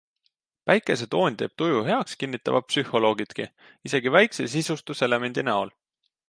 Päikese toon teeb tuju heaks kinnitavad psühholoogidki, isegi väikse sisustuselemendi näol.